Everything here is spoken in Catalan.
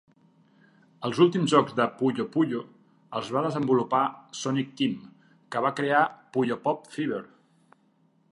Els últims jocs de 'Puyo Puyo' els va desenvolupar Sonic Team, que va crear 'Puyo Pop Fever'.